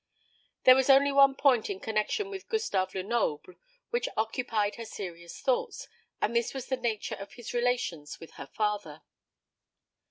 There was only one point in connection with Gustave Lenoble which occupied her serious thoughts; and this was the nature of his relations with her father.